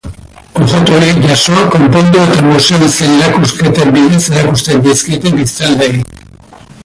Objektu horiek jaso, konpondu eta museoen zein erakusketen bidez erakusten dizkiete biztanleei.